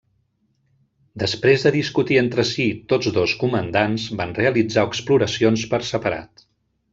Després de discutir entre si tots dos comandants, van realitzar exploracions per separat.